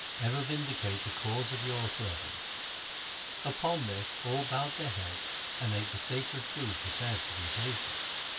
Ever vindicate the cause of your servants.' Upon this all bowed their heads and ate the sacred food prepared for the occasion.